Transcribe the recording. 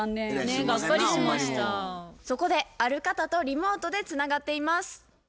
そこである方とリモートでつながっています。